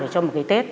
để cho một cái tết